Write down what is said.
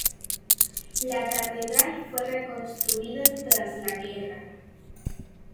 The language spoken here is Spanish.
La catedral fue reconstruida tras la guerra.